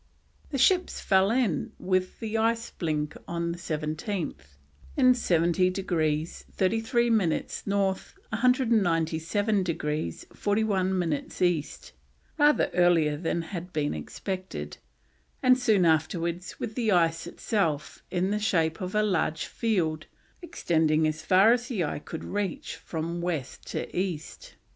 The ships fell in with the ice blink on the 17th, in 70 degrees 33 minutes North, 197 degrees 41 minutes East, rather earlier than had been expected, and soon afterwards with the ice itself in the shape of a large field extending as far as the eye could reach from west to east.